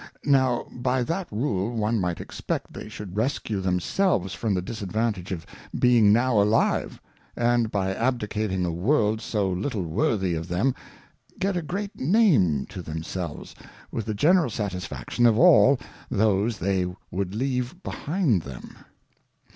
Now by that rule one might expect they should rescue themselves from the disadvantage of being now alive ; and by abdicating a World so little worthy of them, get a great Name to themselves, with the general satisfaction of all those they would leave behind them.